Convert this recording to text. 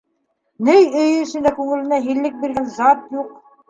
Ней өйө эсендә күңеленә һиллек биргән зат юҡ.